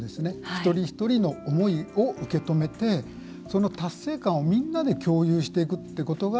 一人一人の思いを受け止めてその達成感をみんなで共有していくことが